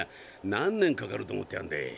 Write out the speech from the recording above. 何年かかると思ってやんでえ。